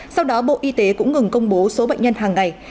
sau đó bộ y tế cũng ngừng công bố số bệnh nhân hàng ngày